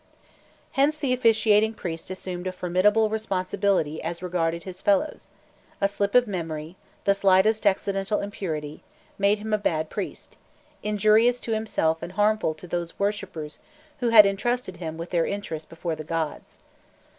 Hence the officiating priest assumed a formidable responsibility as regarded his fellows: a slip of memory, the slightest accidental impurity, made him a bad priest, injurious to himself and harmful to those worshippers who had entrusted him with their interests before the gods.